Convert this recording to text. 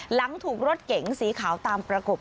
หลังถูกรถเก๋งสีขาวตามประกบ